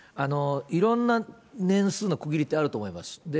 いろんな年数の区切りってあると思います。